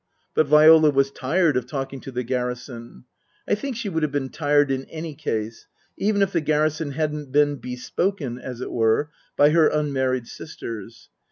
But Viola was tired of talking to the garrison. I think she would have been tired in any case, even if the garrison hadn't been bespoken, as it were, by her unmarried sisters.